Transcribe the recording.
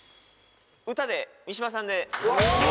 歌で三島さんで。